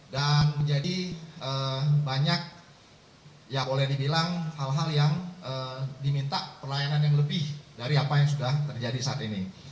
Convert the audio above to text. menjadi banyak ya boleh dibilang hal hal yang diminta pelayanan yang lebih dari apa yang sudah terjadi saat ini